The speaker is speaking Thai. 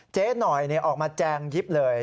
เจ๊หน่อยออกมาแจงยิบเลย